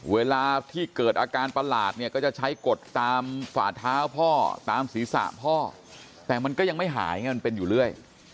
เวลาที่เกิดอาการประหลาดเนี่ยก็จะใช้กดตามฝ่าเท้าพ่อตามศีรษะพ่อแต่มันก็ยังไม่หายไงมันเป็นอยู่เรื่อย